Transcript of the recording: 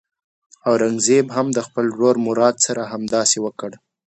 اورنګزېب هم د خپل ورور مراد سره همداسې وکړ.